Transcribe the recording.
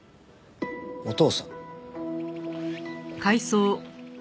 お父さん？